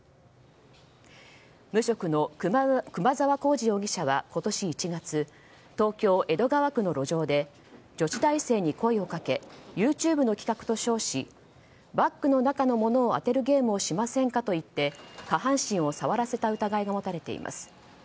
無職の熊沢弘次容疑者は今年１月東京・江戸川区の路上で女子大生に声をかけＹｏｕＴｕｂｅの企画と称しバッグの中のものを当てるゲームをしませんかと言って下半身を触らせた疑いが持たれています。